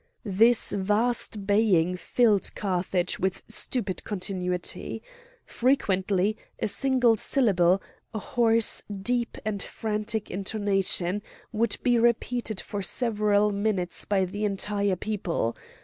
This vast baying filled Carthage with stupid continuity. Frequently a single syllable—a hoarse, deep, and frantic intonation—would be repeated for several minutes by the entire people.